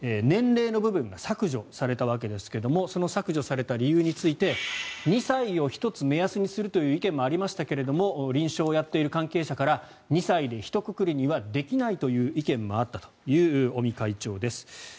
年齢の部分が削除されたわけですがその削除された理由について２歳を１つ、目安にするという意見もありましたが臨床をやっている関係者から２歳でひとくくりにはできないという意見もあったという尾身会長です。